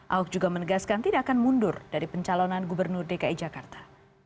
ahok juga menegaskan tidak akan mundur dari pencalonan gubernur dki jakarta